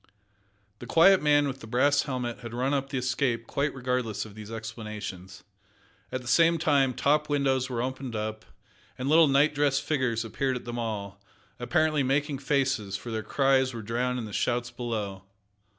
The quiet man with the brass helmet had run up the Escape quite regardless of these explanations. At the same time top windows were opened up, and little night dressed figures appeared at them all, apparently making faces, for their cries were drowned in the shouts below.